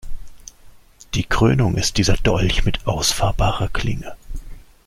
Die Krönung ist dieser Dolch mit ausfahrbarer Klinge.